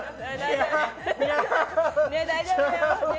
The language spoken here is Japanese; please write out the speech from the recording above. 大丈夫だよ。